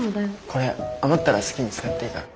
これ余ったら好きに使っていいから。